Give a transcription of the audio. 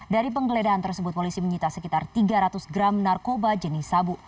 dari penggeledahan tersebut polisi menyita sekitar tiga ratus gram narkoba jenis sabu